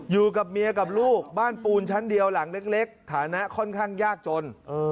อยู่กับเมียกับลูกบ้านปูนชั้นเดียวหลังเล็กฐานะค่อนข้างยากจน